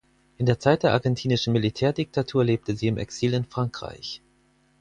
In der Zeit der argentinischen Militärdiktatur lebte sie im Exil in Frankreich.